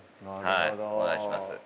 お願いします。